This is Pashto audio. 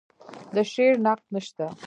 د شعر نقد نشته